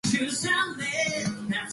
This was shelved.